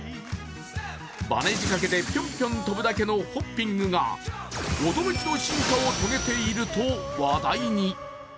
バネ仕掛けでピョンピョン跳ぶだけのホッピングが、驚きの進化を遂げていると話題に。